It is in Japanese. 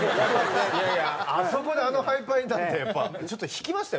いやいやあそこであの配牌だってやっぱちょっと引きましたよ